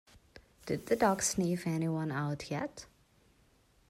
Did the dog sniff anyone out yet?